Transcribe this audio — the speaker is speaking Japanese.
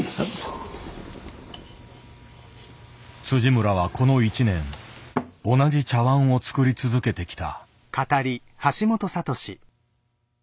村はこの一年同じ茶碗を作り続けてきた。